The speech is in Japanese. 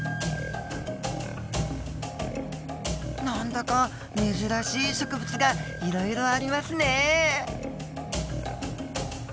何だか珍しい植物がいろいろありますね。